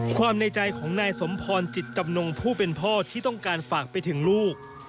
ในใจของนายสมพรจิตจำนงผู้เป็นพ่อที่ต้องการฝากไปถึงลูก